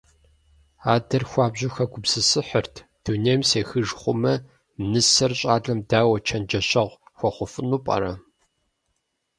Адэр хуабжьу хэгупсысыхьырт: «Дунейм сехыж хъумэ, нысэр щӀалэм дауэ чэнджэщэгъу хуэхъуфыну пӀэрэ?».